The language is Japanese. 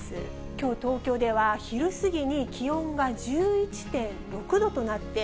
きょう、東京では昼過ぎに気温が１１．６度となって、